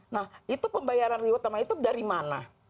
nah itu pembayaran reward tanah itu dari mana